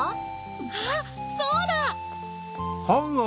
あっそうだ！